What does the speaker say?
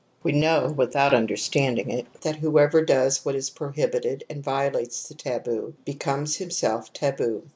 } We know, without understanding it, that ; whoever does what is prohibited and violates the taboo, becomes himself taboo.